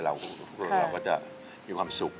เราก็จะมีความสุข